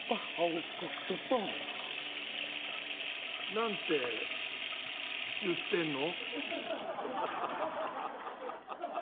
何て言ってんの？